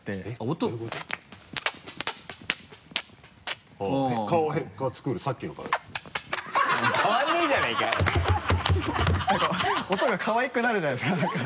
音がかわいくなるじゃないですかなんか。